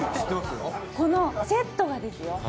このセットがですよ。